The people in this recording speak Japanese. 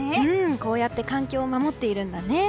こうやって環境を守っているんだね。